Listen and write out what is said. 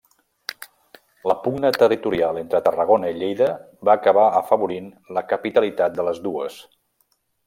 La pugna territorial entre Tarragona i Lleida va acabar afavorint la capitalitat de les dues.